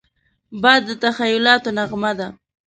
باد د تخیلاتو نغمه ده